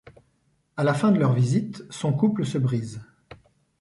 À la fin de leur visite, son couple se brise.